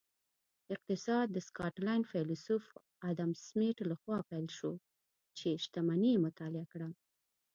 اقتصاد د سکاټلینډ فیلسوف ادم سمیت لخوا پیل شو چې شتمني یې مطالعه کړه